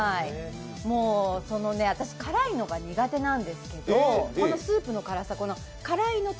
私、辛いのが苦手なんですけどこのスープの辛さ、辛いのと、